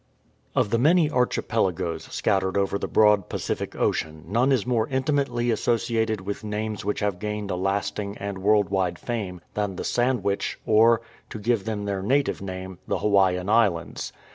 OF the many archipelagoes scattered over the broad Pacific Ocean none is more intimately associated with names which have gained a lasting and world wide fame than the Sandwich or, to give them their native name, the Hawaiian Islands.